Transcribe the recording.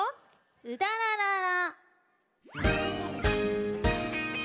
「うだららら」。